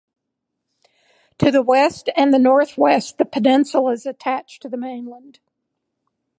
To the west and the northwest the peninsula is attached to the mainland.